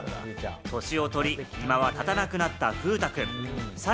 年をとり、今は、立たなくなった風太くん。